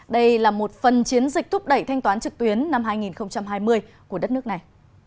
đây là một phần chiến dịch thúc đẩy thanh toán trực tuyến năm hai nghìn hai mươi của đất nước này